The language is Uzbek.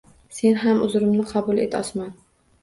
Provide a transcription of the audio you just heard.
Sen ham uzrimni qabul et osmon!